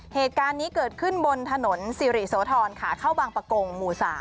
เหตุการณ์นี้เกิดขึ้นบนถนนสิริโสธรขาเข้าบางประกงหมู่๓